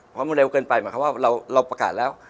เพราะมันเร็วเกินไปหมายความว่าเราประกาศแล้ว